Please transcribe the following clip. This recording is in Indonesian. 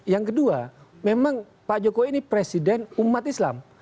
yang kedua memang pak jokowi ini presiden umat islam